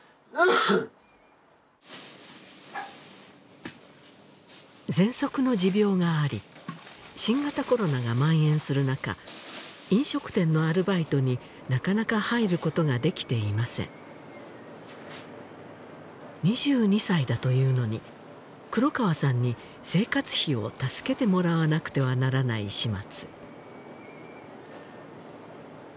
このぜんそくの持病があり新型コロナがまん延する中飲食店のアルバイトになかなか入ることができていません２２歳だというのに黒川さんに生活費を助けてもらわなくてはならない始末